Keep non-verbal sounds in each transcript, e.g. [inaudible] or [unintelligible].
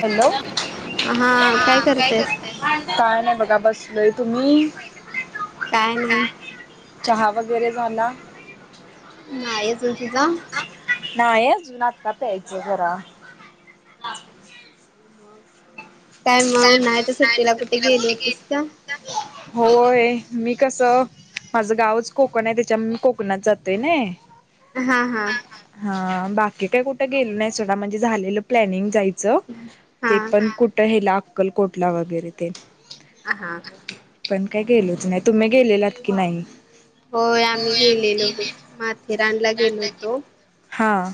Hello हा काय करतेस करते काय ना बघा बसलोय तुम्ही काय नाही चहा वगैरे झाला नाही अजून तुझा नाही अजून आता प्यायच जरा काय मग उन्हाळच्या सुट्टीला कुठे गेली होतीस का होय मी कसं माझं गावच कोकण आहे त्याच्या मी कोकणात जातोय ना हा हा बाकी काही कुठ गेलो नाही सोडा म्हणजे झालेलं प्लनिंग जायचं ते हा पण कुठ हेला अक्कलकोट ला वगैरे ते अ हा पण काय गेलोच नाही तुम्ही गेलेलात की नाही आम्ही होय गेलेलो आम्ही बघ माथेरानला गेले गेलो आता गे होतो हां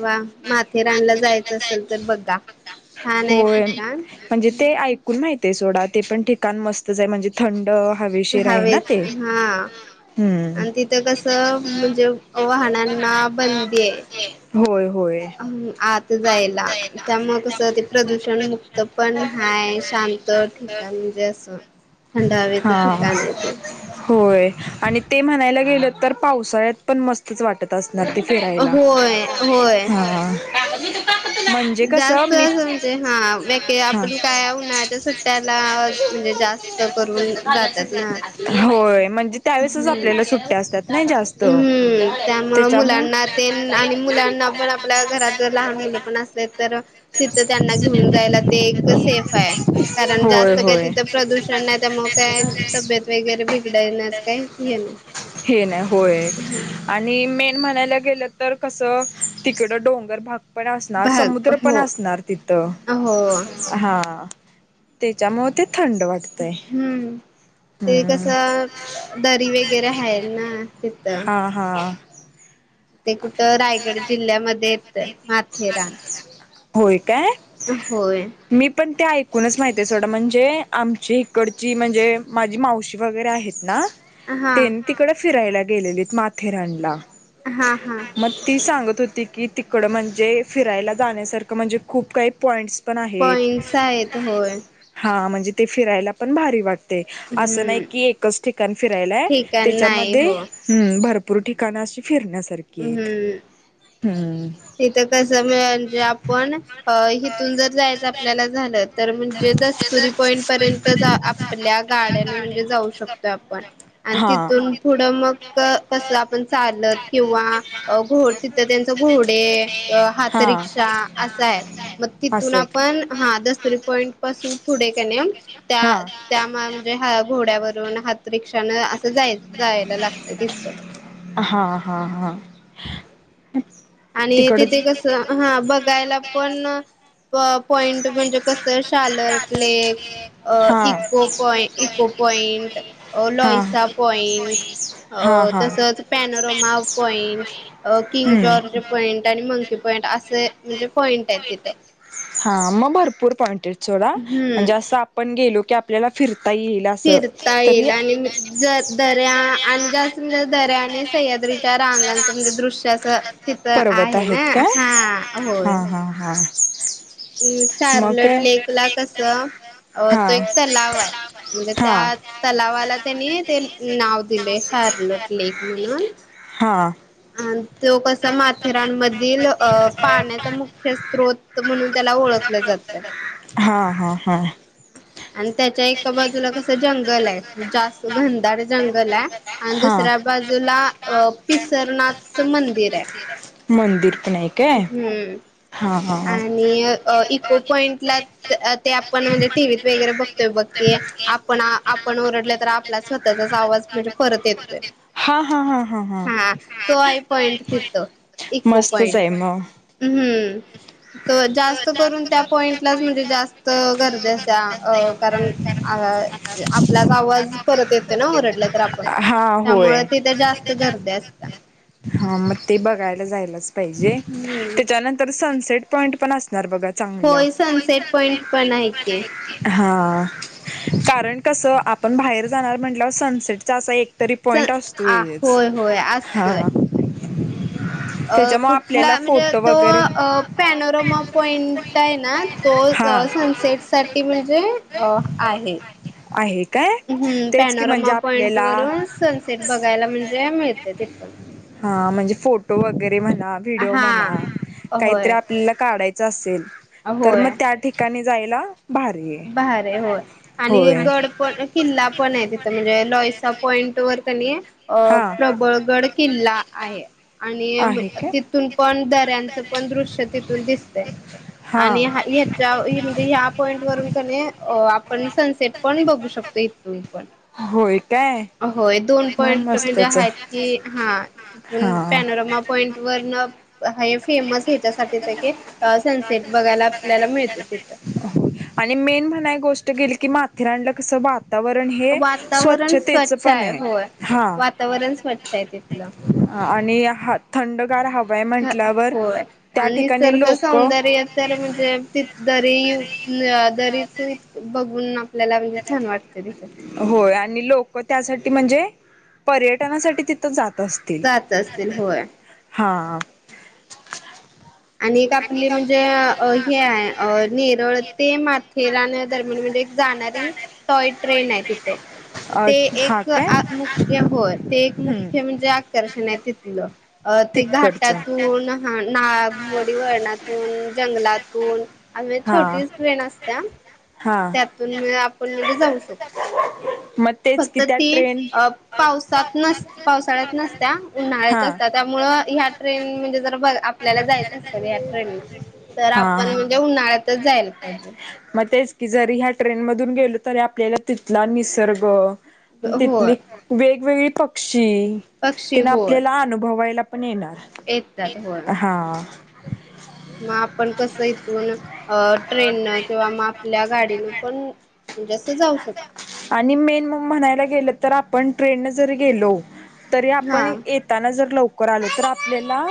वा माथेरानला जायचं असेल तर बघा आहे होय ठिकाण म्हणजे ते ऐकून माहित आहे सोडा ते पण ठिकाण मस्तच आहे म्हणजे थंड हवेशीर आहे ना हवेच ते हा हम्म आणि तिथं कसं म्हणजे वाहनांना बंदी आहे होय होय आता जायला त्यामुळे कसं ते प्रदूषण मुक्त पण हा शांत ठिकाण म्हणजे असं थंड हवेचं हा ठिकाण आहे ते होय आणि ते म्हणायला गेलं तर पावसाळ्यात पण मस्तच वाटत असणार ते फिरायला होय होय हा ह जास्त असं म्हणजे हा हा आपण काय उन्हाळ्याच्या सुट्ट्याला म्हणजे जास्त करून जातात ना होय म्हणजे त्यावेळेसच हम्म आपल्याला सुट्ट्या असतात नाही जास्त हम्म त्यामुळं त्याचा मूळ मुलांना तेन आणि तथ घेऊत होय होय थ प्रदूषण नाही त्यामुळे काय तब्येत वगैरे बिघडायण्यास काही हे नाही हे नाही होय आणि मेन म्हणायला गेलं तर कस तिकड डोंगर भाग पण असणार भाग समुद्र पण हो असणार तिथं हो हा त्याच्यामुळे ते थंड वाटतय हम्म ते हम्म कसं दरी वगैरे आहे ना तिथं हा हा ते कुठं रायगड जिल्ह्यामध्ये येतं माथेरान होय काय होय मी पण ते ऐक ूुणच माहिती आहे सोडं म्हणजे आमची इकडची म्हणजे माझी मावशी वगैरे आहेत ना हा तेनी तिकडं फिरायला गेलेले माथेरानला हा हा मग ती सांग होती की तिकडं म्हणजे फिरायला जाण्यासारखं म्हणजे खूप काही पॉईंट्स पण आहेत पॉइंट्स आहेत होय हा म्हणजे ते फिरायला पण भारी वाट अस नाही हम्म क एकच ठिकाण फिरायला ठिकाण नाही त्याच्यामध्ये हो हम भरपूर र ठिकाणाशी फिरण्यास हम् हम् तथ कस म्हणजे आपण अ हीतुनजर जायचं आपल्याला झालं तर म्हणजे दस्तुरी पॉईंट पर्यंत आपल्या गाड्यान म्हणजे जाऊ शकतो आपण आणि हा तिथून पुढं मग कस आपण चालत किं किवा घ तिथं त्यांचा घोडे हा हातरिक्षा असा आहे मग तिथून असं आहे की आपण हा दसरी पॉईंट पासून पुढे करणे त्या हा त्या म्हणजे घोड्यावरून हातिक् जायला लागतं तथकड हा हा हा आणि तिकडच तिथे कस हा बघायला पण पॉइंट म्हणजे कसं शालट लेक हा इको पॉईंट इको पॉइंट हा लईसा पॉइंट अ हा हा तसच पॅनोरोमा पॉइंट किंग हम्म जॉर्ज पॉईंट आणि मंकी पॉईंट असे म्हणजे पॉईंट आहे तिथं हा मग भरपूर पॉइंटेड चोड हम्म म्हणजे असं आपण गेलो की आपल्याला फिरतो फिरता येईल आणि ज दर्या आणि जास्त म्हणजे दर्या आणि सह्याद्रीच्या रांगांच म्हणजे दृश्य अस तिथ पर्वत आहे ना आहेत काय हा हा हा हा अ् मग शार्लट काय लेक ला कस हा तो एक तलाव आहे म्हणजे हा त्या तलावाला त्यानी ते नाव दिले शारलोट लेक म्हणून हा अ तो कसा माथेरानमधील अ पाण्याचा मुख्य स््रोत म्हणून त्याला ओळखलं जातय हां हां हां आणि त्याच्या एका बाजूला कस जंगल आहे जास्त घनदार जंगल आहे आणि हा दुसऱ्या बा बाजूला पिसरनाथच मंदिर आहे मंदिर पण आहे काय हम्म हा हा आणि इको पॉइंटला ते आपण म्हणजे टीव्त वगैरे बघतोय बघो की आपण आपण ओरडले तर आपला स्वतःचाच आवाज म्हणजे परत येतोय हा हा हा हा तो आय पॉइंट तिथं इको मस्तच पॉइंट आहे मग. हम् हम्म तर जास्त करून त्या पॉईंटला म्हणजे जास्त गरजेच्या कारण अ आपलाच आवाज परत येतो ना ओरडला तर आपण हा होय. त्यामुळे तिथे जास्त गर्दी असत हा मग ते बघायला जायलाच पाहिजे हम्म. त्याच्यानंतर सनसेट पॉंट पण अस बघ चांग होय सनसेट पॉइंट पण आहे की कारण कस आपण बाहेर जाणार म्हटलंवर सनसेटचा असा एक तरी स पॉइंट आ असतोच होय होय हा असतोय. अ त्याच्यामुळे कुठला आपल्याला म्हणजे फोटो तो वगैरे पॅनोरोमा पॉइंट आहे ना तो अ हा सनसेट साठी म्हणजे अ आहे हेठी काय हम्म तेच की म्हणजे पॅनोरमा पॉइंट आपल्याला वरून सनसेट बघायला म्हणजे मिळते तिथून हा म्हणजे फोटो वगैरे म्हणा व्हिडिओ हा म्हणा काहीतरी होय आपल्याला काढायचं असेल तर मग होय त्या ठिकाणी जायला बाारी ये अे हो आणि गड पण किल्ला पण आहे तिथ म्हणजे लॉईसा पॉईंट वर कणी अ हा प्रबळगड किल्ला आहे आणि आहे काय तिथून पण दऱ्यांचं पण [inaudible] हा आपण सनसेट पण बघू शकतो इथून पण होय काय होय दोन मग पॉइंट म्हणजे मस्तच आहेत आहे की हा तिथून हा पॅनरमा पॉइंट वरन हे फेमस ह्याच्यासाठीच की सनसेट बघायला आपल्याला मिळत तिथं आणि मेन म्हणाय गोष्ट गेली की माथेरानला कसं बह वातावरण हे वातावरण स्वच्छतेच स्वच्छ पण आहे. होय हा वातावरण स्वच्छ आहे तिथलं आणि हा थंडगार हव्या होय आणि निसर्ग लोक सौंदर्य तर म्हणजे ती दरी [unintelligible] छान वाटते तिथे होय आणि लोक त्यासाठी म्हणजे पर्यटनासाठी तिथ जात असतील जात असतील होय हां आणि एक आपली म्हणजे हे आहे अ नेरळ ते माथेरानधर्मण म्हणजे जाणारी टॉय ट्रेन आहे तिथ अ ते हा एक काय मुख्य हो ते एक हम्म मुख्य म्हणजे आकर्षण आहे तिथलं अ ते तिकडचं घाटातून हा ना मोडी वळणातून जंगलातून अवगी हा छोटीच ट्रेन असत्या हा त्यातून आपण म्हणजे जाऊ शकतो. म ते फक्त ती अ पावसात नस पावसाळ्यात नसत्या हा उन्हाळ्याच्या असत्या त्यामुळ ह्या ट्रेन म्हणजे जरा आपल्याला जायचं असेल या ट्रेन न तर हा आपण हा म्हणजे उन्हाळ्यातच जायला पाहिजे कि जरी ह्या ट्रेन मधून गेलो तरी आपल्याला तिथला निसर्ग होय तिथली वेगवेगळी पक्षी पक्षी तीन होय आपल्याला अनुभवायला होय [unintelligible] हं मग आपण कसं इथून अ ट्रेननं किंवा म आपल्या गाडीनं पण असं जाऊ शकतो आणि मेन मग म्हणायला गेलं तर आपण ट्रेन न जरी गेलो तरी आपण हा येताना जर लवकर आलो तर आपल्याला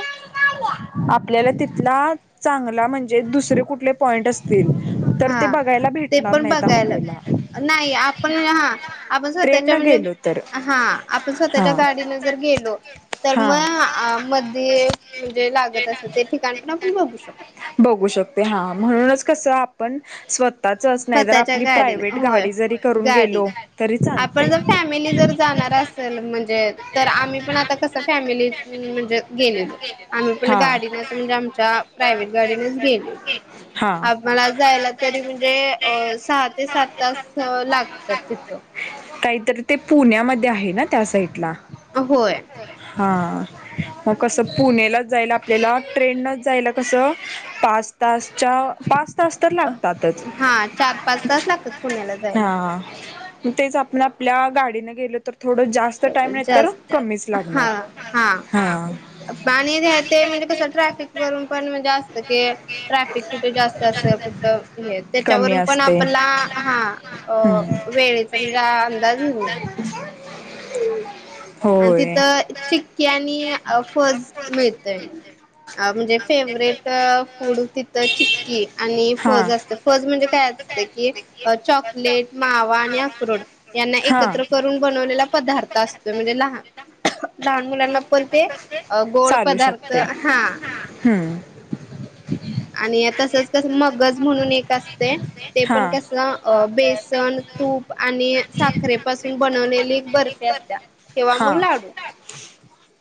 आपल्याला तिथला चांगला म्हणजे दुसरे कुठले पॉइंट असतील तर ते हा बघायला ते भेटणार पण नाहीत बघायला आपल्याला नाही आपण म्हणे हा आपण ट्रेन स्वतःच्या न म्हणजे गेलो तर हा आपण हा स्वतःच्या गाडीन जर गेलो तर हा मग मध्ये म्हणजे लागत अस ते ठिकाण पण आपण बघू शकतो बघू शकते हा म्हणूनच कसं आपण स्व आताच नाही ज स्वतःच्या आपली गाडीने प्रायव्ट होय गाडी जरी करून गाडी गेलो तरी चालते कार असल म्हणजे तर आम्ही पण आता कसं फॅमिली म्हणजे गेलेलो आम्ही पण हा. गाडीन अस म्हणजे आमच्या प्रायव्ट गाडीनेच गेलो हा आम्हाला जायला तरी म्हणजे अ सहा ते सात तास लागतात तिथं तर ते पुण्यामध्ये आहे ना त्या साईडला अ होय हां मग कसं पुणेलाच जायला आपल्याला ट्रेननच जायला कसं पाच तासच्या पाच तास तर लागतातच हा चार पाच तास लागतात पुण्याला जायला हा मग तेच आपण आपल्या गाडीनं गेलो तर थोडं जास्त टाईम नाही तर जास्त कमीच लागणार हा पाणी ते म्हणजे कसं ट्रॅफिक वरून पण म्हणजे असत क ट्रॅफिक कुठे जास्त असं कुट कमी त्याच्यावरून पण असते आपला हा हम्म वेल समजा अंदाज घेउ शकतो [inaudible] आणि तिथं चिक्की आणि फज मिळतय अ म्हणजे फेवरेट फूड तिथं चिक्की आणि हा फज असतं फज म्हणजे काय कि चॉकलेट मावा आणि अक्रोड ह्यांना हा एकत्र करून बनवलेला पदार्थ [unintelligible] असत म्हणे लहान मुलांना पण ते गोड पदार्थ हा हां आणि तसच कस मगज म्हणून एक असते ते हा पण कस बेसन तूप आणि साखरेपासून बनवलेली एक बर्फी असत्या तेव्हा मग हा लाडू [inaudible]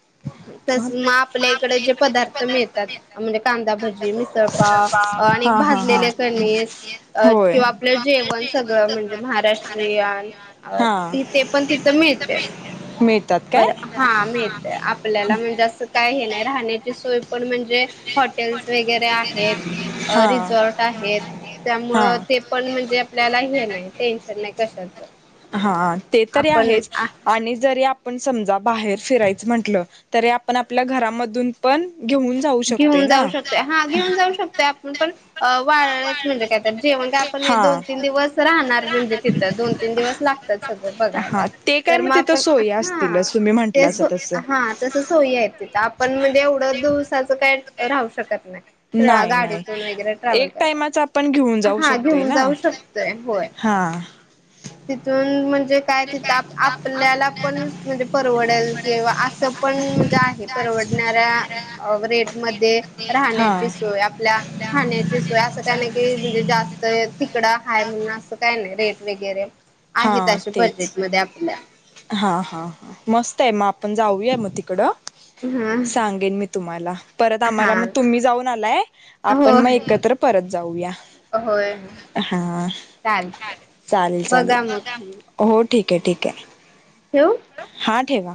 तस मग आपल्या इकडे जे पदार्थ मिळतात म्हणजे कांदा भजी मिसळपाव आणि हा हा भाजलेले हा कनीस अ होय. किंवा आपलं जेवण सगळं म्हणजे महाराष्ट्रीयन ते पण तिथं तीथ मिळत्यात बरं हा माहितय आपल्याला म्हणजे असं काय हे नाही राहण्याची सोय पण म्हणजे हॉटेल्स वगैरे आहेत हा. रिसॉर्ट आहेत त्यामुळं हा. ते पण म्हणजे आपल्याला हे नाही टेन्शन नाही कशाचं हा ते तरी आपण आहेच आणि ज आपण समजा बाहेर फिरायच म्हटल तरी आपण आपल्या घरामधून पण घेऊन जाऊ शकतोय घेऊन जाऊ ना. शकतोय हा घेऊन जाऊ शकतोय आपण पण वाळयच म्हणजे कायत जेवण का आपण दोन हा. तीन दिवस राहणार म्हणजे तिथं दोन तीन दिवस लागतात सगळं बघायला हा ते काय मग सोयी हा असतीलच तुम्ही ते म्हंटलासा तस. हा तस सोय त आपण म्हणजे एवढं काय राहू शकत नाही नाही नाही गाडीतून वगैरे ट्रॅव्हल एक करता टाइमच आपण घेऊन जाऊ हा शकतोय घेऊन ना जाऊ शकतोय होय हा हा तिथून म्हण काय तिथ आपल्याला पण म्हणजे परवडेल किंवा असं पण म्हणजे आहे परवड वडणाऱ्या रेट मध्ये राहण्याची हा. सोय आपल्या खाण्याची सोय असं काही नाही की म्हणजे जास्त तिकड हाय म्हणून असं काय नाही रेट वगैरे हा आहेत अशे तेच बजेटमध्ये आपल्या हा हा मस्त आहे म आपण जाऊया मग तिकडं हम् सांगेन मी तुम्हाला परत आम्हाला मग तुम्ही जाऊन आलाय हा आपण मग होय एकत्र परत जाऊया होय हा चालते चालेल चालेल बघा मग हो ठीक आहे ठीक आहे ठेवू हा ठेवा